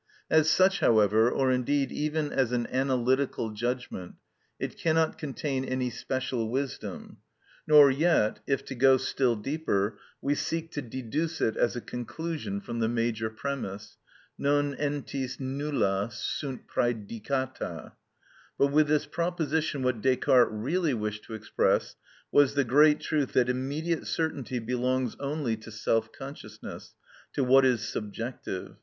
As such, however, or indeed even as an analytical judgment, it cannot contain any special wisdom; nor yet if, to go still deeper, we seek to deduce it as a conclusion from the major premise, non entis nulla sunt prædicata. But with this proposition what Descartes really wished to express was the great truth that immediate certainty belongs only to self consciousness, to what is subjective.